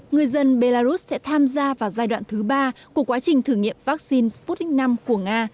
người dân belarus sẽ tham gia vào giai đoạn thứ ba của quá trình thử nghiệm vaccine sputnik v của nga